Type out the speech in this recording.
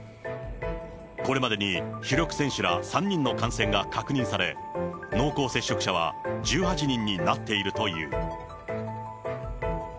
これまでに主力選手ら３人の感染が確認され、濃厚接触者は１８人になっているという。